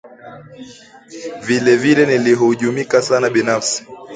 Vile vile, nilihujumika sana binafsi